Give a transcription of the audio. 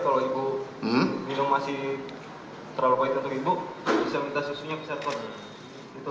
kalau ibu minum masih terlalu baik untuk ibu bisa minta susunya bisa terus